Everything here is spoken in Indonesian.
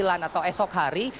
atau esok hari